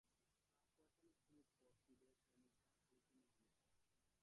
প্রায় পয়তাল্লিশ মিনিট পর ফিরে এসে নিসার আলিকে নিয়ে গেলেন।